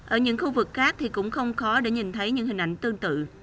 ở những khu vực khác thì cũng không khó để nhìn thấy những hình ảnh tương tự